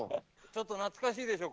ちょっと懐かしいでしょ。